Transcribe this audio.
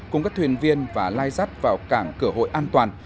cùng các thuyền viên và lai dắt vào cảng cửa hội an toàn